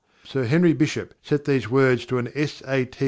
Sir Henry Bishop set these words to a S.A.